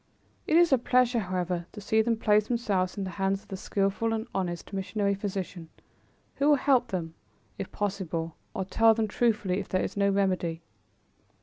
It is a pleasure, however, to see them place themselves in the hands of the skillful and honest missionary physician, who will help them, if possible, or tell them truthfully if there is no remedy.